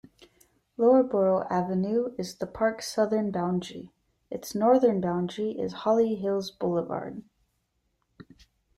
Loughborough Avenue is the park's southern boundary; its northern boundary is Holly Hills Boulevard.